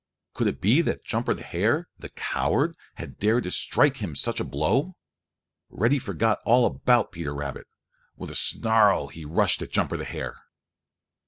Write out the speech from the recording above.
Could it be that Jumper the Hare, the coward, had dared to strike him such a blow? Reddy forgot all about Peter Rabbit. With a snarl he rushed at Jumper the Hare.